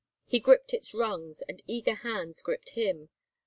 He gripped its rungs, and eager hands gripped him.